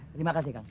terima kasih kang